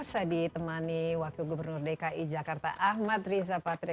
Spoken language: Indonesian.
saya ditemani wakil gubernur dki jakarta ahmad riza patria